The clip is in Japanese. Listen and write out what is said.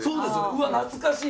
うわ懐かしい。